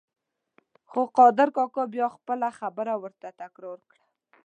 خو قادر کاکا بیا خپله خبره ورته تکرار کړه.